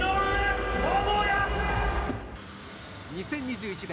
２０２１年